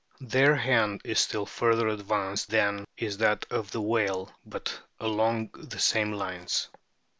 Their hand is still further advanced than is that of the whale, but along the same lines.